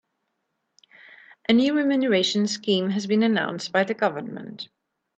A new renumeration scheme has been announced by the government.